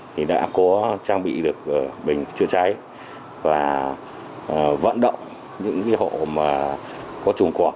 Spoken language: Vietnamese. thì đã cố trang bị được bình chữa cháy và vận động những cái hộ mà có trùng quạt